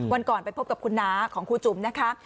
วันก่อนไปพบกับคุณน้าของครูจุ๋มนะคะ